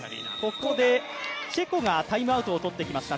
ここで、チェコがタイムアウトを使ってきました。